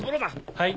はい。